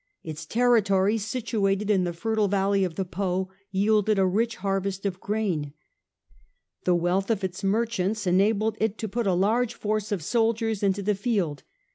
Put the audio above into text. Its territories, situated in the fertile valley of the Po, yielded a rich harvest of grain. The wealth of its mer chants enabled it to put a large force of soldiers into the field.